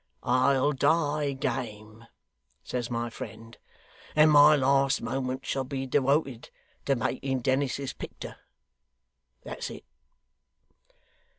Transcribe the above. "I'll die game," says my friend, "and my last moments shall be dewoted to making Dennis's picter." That's it.